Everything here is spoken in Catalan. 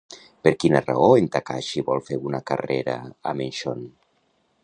Per quina raó en Takashi vol fer una carrera amb en Sean?